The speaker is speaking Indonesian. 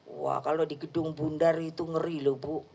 wah kalau di gedung bundar itu ngeri loh bu